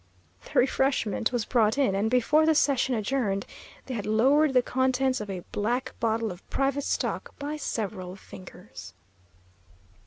The refreshment was brought in, and before the session adjourned, they had lowered the contents of a black bottle of private stock by several fingers.